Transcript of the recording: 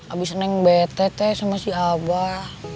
abis neng betet sama si abah